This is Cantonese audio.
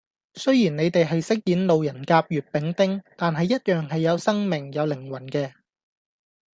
雖然你哋係飾演路人甲乙丙丁，但係一樣係有生命，有靈魂嘅